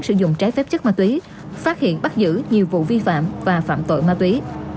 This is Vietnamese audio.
sử dụng trái phép chất ma túy phát hiện bắt giữ nhiều vụ vi phạm và phạm tội ma túy